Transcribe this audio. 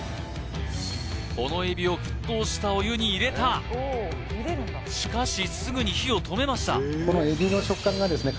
このエビを沸騰したお湯に入れたしかしすぐに火を止めましたこのエビの食感がですね